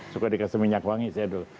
suka dikasih minyak wangi saya dulu